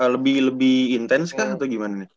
lebih lebih intens kah atau gimana nih